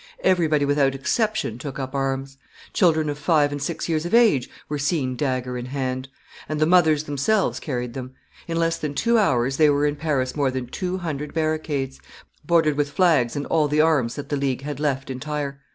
Everybody without exception took up arms. Children of five and six years of age were seen dagger in hand; and the mothers themselves carried them. In less than two hours there were in Paris more than two hundred barricades, bordered with flags and all the arms that the League had left entire.